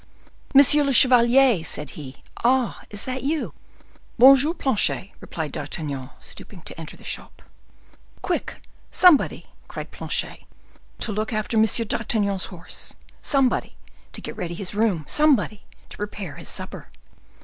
"Monsieur le chevalier," said he, "ah, is that you?" "Bon jour, Planchet," replied D'Artagnan, stooping to enter the shop. "Quick, somebody," cried Planchet, "to look after Monsieur d'Artagnan's horse,—somebody to get ready his room,—somebody to prepare his supper."